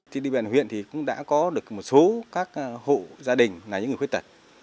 thì đi bền huyện thì cũng đã có được một số các hộ gia đình là những người khuyết tật